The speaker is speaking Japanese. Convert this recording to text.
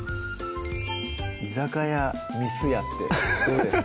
居酒屋簾屋ってどうですか？